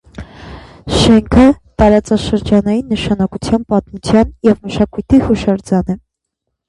Շենքը տարածաշրջանային նշանակության պատմության և մշակույթի հուշարձան է։